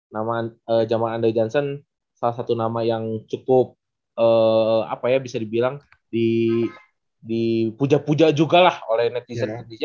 nama zaman andre johnson salah satu nama yang cukup apa ya bisa dibilang dipuja puja juga lah oleh netizen indonesia